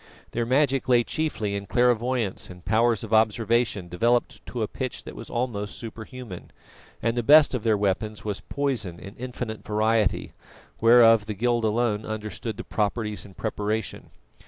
Their magic lay chiefly in clairvoyance and powers of observation developed to a pitch that was almost superhuman, and the best of their weapons was poison in infinite variety, whereof the guild alone understood the properties and preparation.